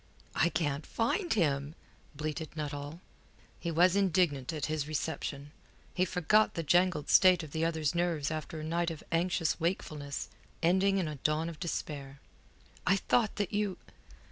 "I can't find him," bleated Nuttall. He was indignant at his reception. He forgot the jangled state of the other's nerves after a night of anxious wakefulness ending in a dawn of despair. "I thought that you...."